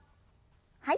はい。